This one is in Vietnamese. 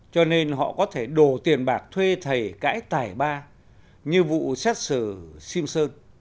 cho nên họ có thể đổ tiền bạc thuê thầy cãi tài ba như vụ xét xử simpson